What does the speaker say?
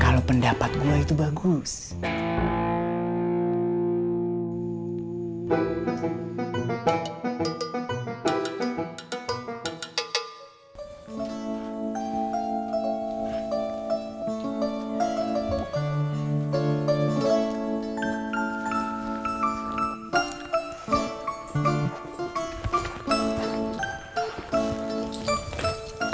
kalo penggan enthusiasm